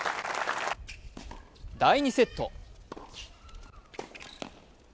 第２セット。